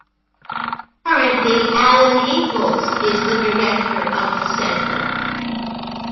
Currently Alan Inkles is the director of the center.